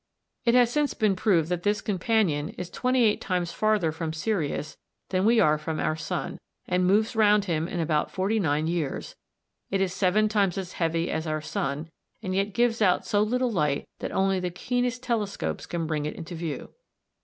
It has since been proved that this companion is twenty eight times farther from Sirius than we are from our sun, and moves round him in about forty nine years. It is seven times as heavy as our sun, and yet gives out so little light that only the keenest telescopes can bring it into view.